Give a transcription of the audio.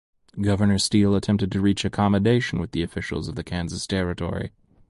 Governor Steele attempted to reach accommodation with the officials of the Kansas Territory.